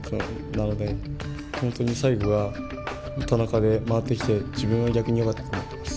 なので本当に最後は田中で回ってきて自分は逆によかったって思ってます。